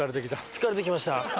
疲れてきました？